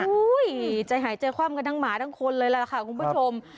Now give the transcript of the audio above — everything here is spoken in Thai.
โอ้โหใจหายเจอความกับน้องหมาทั้งคนเลยแหละค่ะคุณผู้ชม